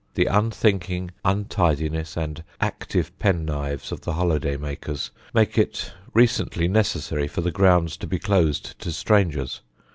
The unthinking untidiness and active penknives of the holiday makers made it recently necessary for the grounds to be closed to strangers.